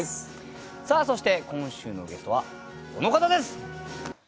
さあそして今週のゲストはこの方です！